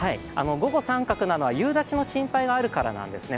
午後△なのは、夕立の心配があるからなんですね。